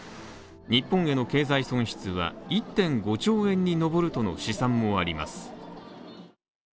日本への経済損失は、１．５兆円に上るとの試算もあります。